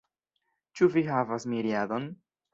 Ĉu vi havas miriadon?